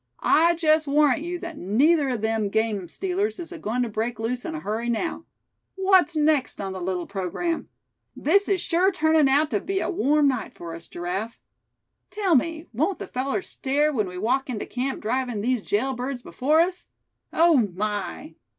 "I just warrant you that neither of them game stealers is agoin' to break loose in a hurry now. What's next on the little programme? This is sure turning out to be a warm night for us, Giraffe. Tell me, won't the fellers stare when we walk into camp drivin' these jail birds before us? Oh! my!